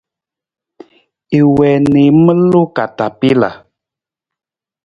I wii na i maluu katapila.